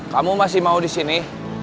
kamu masih mau di sini